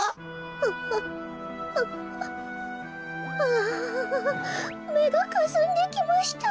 あめがかすんできました。